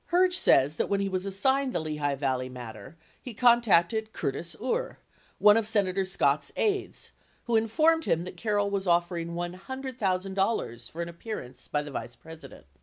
Herge says that when he was assigned the Lehigh Valley matter, he contacted Curtis Uhre, one of Senator Scott's aides, who informed him that Carroll was offering $100,000 for an appearance by the Vice President.